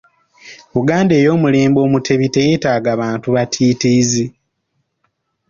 Buganda ey’omulembe Omutebi teyeetaaga bantu batiitiizi.